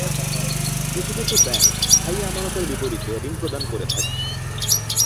কিছু কিছু ব্যাংক স্থায়ী আমানতের বিপরীতে ঋণ প্রদান করে থাকে।